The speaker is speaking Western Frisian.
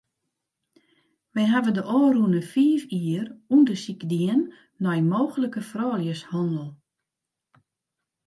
Wy hawwe de ôfrûne fiif jier ûndersyk dien nei mooglike frouljushannel.